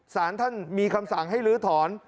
สารท่านมีคำสั่งให้ลื้อถอน